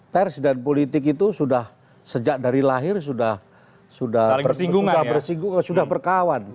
pers dan politik itu sudah sejak dari lahir sudah bersinggungan sudah perkawan